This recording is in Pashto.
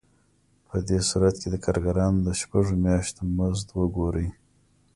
په دې صورت کې د کارګرانو د شپږو میاشتو مزد وګورئ